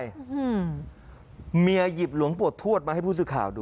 อืมเมียหยิบหลวงปวดทวดมาให้ผู้สื่อข่าวดู